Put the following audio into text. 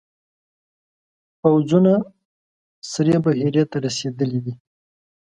پوځونه سرې بحیرې ته رسېدلي دي.